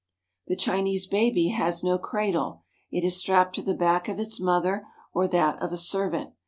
The Chinese baby has no cradle. It is strapped to the back of its mother or that of a servant.